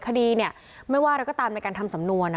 คดีเนี่ยไม่ว่าอะไรก็ตามในการทำสำนวน